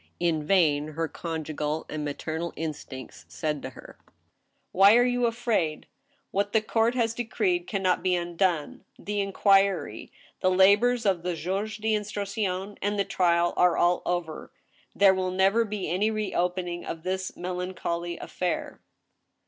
In vain her conjugal and maternal instincts said to her :" Why are you afraid ? What the court has decreed can not be undone. The inquiry, the labors of \htjuge d' instruction, and the trial are all over. There will never be any reopening of this melan choly affair."